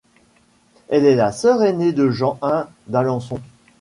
Elle est la sœur aînée de Jean I d'Alençon.